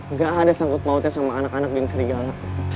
nggak ada sangkut mautnya sama anak anak dan serigala